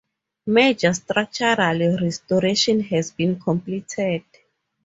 Major structural restoration has been completed.